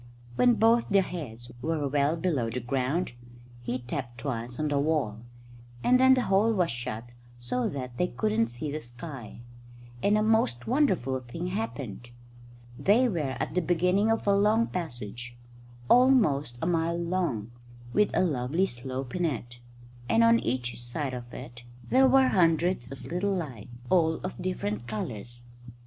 When both their heads were well below the ground, he tapped twice on the wall; and then the hole was shut so that they couldn't see the sky, and a most wonderful thing happened. They were at the beginning of a long passage, almost a mile long, with a lovely slope in it; and on each side of it there were hundreds of little lights, all of different colours.